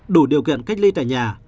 đủ điều kiện cách ly tại nhà